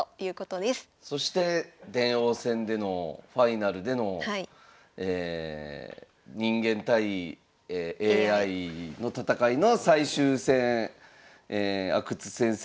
そして電王戦でのファイナルでの人間対ＡＩの戦いの最終戦阿久津先生